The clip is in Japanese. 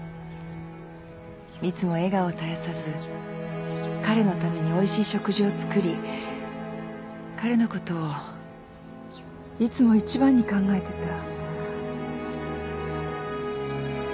いつも笑顔を絶やさず彼のためにおいしい食事を作り彼のことをいつも一番に考えてた。